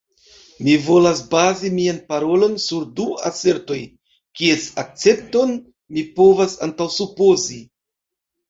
Mi volas bazi mian parolon sur du asertoj, kies akcepton mi povas antaŭsupozi.